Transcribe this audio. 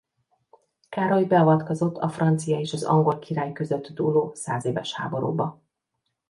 Károly beavatkozott a francia és az angol király között dúló Százéves háborúba.